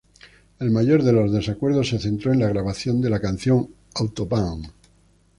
El mayor de los desacuerdos se centró en la grabación de la canción "Autobahn".